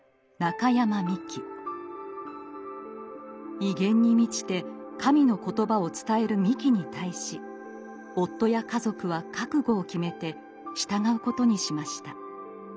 威厳に満ちて神の言葉を伝えるミキに対し夫や家族は覚悟を決めて従うことにしました。